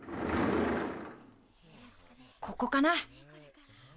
ここかな。